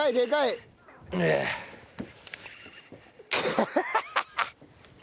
ハハハハハ！